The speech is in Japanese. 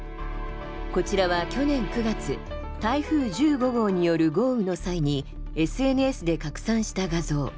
こちらは、去年９月台風１５号による豪雨の際にＳＮＳで拡散した画像。